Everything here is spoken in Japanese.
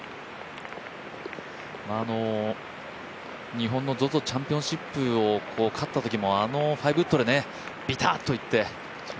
日本のＺＯＺＯチャンピオンシップを勝ったときもあの５ウッドでビタッといって。